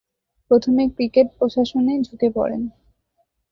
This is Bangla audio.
প্রথমে ক্রিকেট প্রশাসনে ঝুঁকে পড়েন।